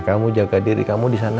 kamu jaga diri kamu disana